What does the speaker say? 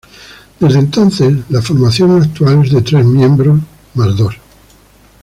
Desde entonces, la formación actual es de tres miembros mas dos.